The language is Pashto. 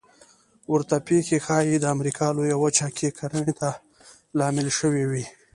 ورته پېښې ښایي د امریکا لویه وچه کې کرنې ته لامل شوې وي